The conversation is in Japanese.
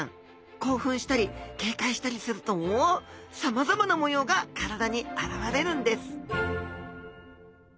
興奮したり警戒したりするとさまざまな模様が体にあらわれるんです